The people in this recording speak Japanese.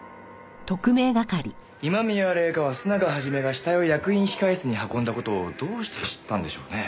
今宮礼夏は須永肇が死体を役員控室に運んだ事をどうして知ったんでしょうね？